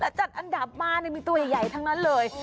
และจัดอันดับบ้านเนี่ยมีตัวใหญ่ทั้งนั้นเลย